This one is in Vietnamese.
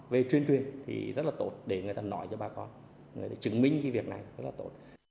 về truyền truyền thì rất là tốt để người ta nói cho bà con người ta chứng minh cái việc này rất là tốt